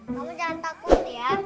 kamu jangan takut ya